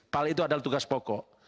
pal itu adalah tugas pokok